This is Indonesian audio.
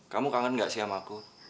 kamu kangen gak sih sama aku